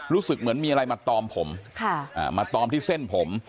รู้สึกเหมือนมีอะไรมาตอมผมมาตอมที่เส้นผม